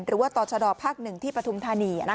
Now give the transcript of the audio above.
หรือว่าต่อชะดอภักดิ์หนึ่งที่ปทุมธานีนะคะ